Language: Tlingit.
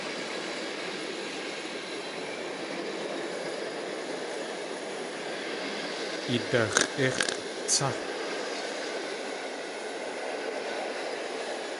Idax̲ʼíx̲ʼ tsá!